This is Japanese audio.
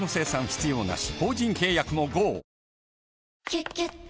「キュキュット」